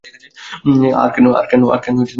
আর কেন শার্লেট?